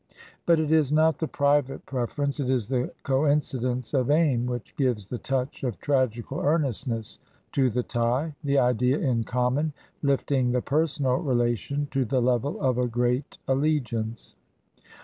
But it is not the private preference, it is the coincidence of aim which gives the touch of tragical earnestness to the tie — ^the idea in common lifting the personal relation to the level of a great allegiance.